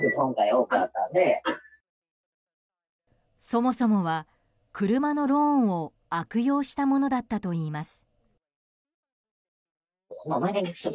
そもそもは車のローンを悪用したものだったといいます。